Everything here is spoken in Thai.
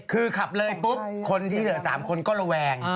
คือขับเลยปุ๊บคนที่เหลือ๓คนก็ระแวง